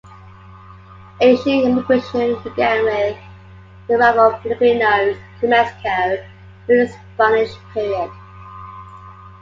Asian immigration began with the arrival of Filipinos to Mexico during the Spanish period.